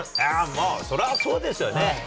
もう、それはそうですよね。